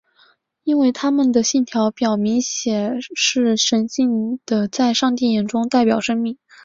因为他们的信条表明血是神性的在上帝眼中代表生命。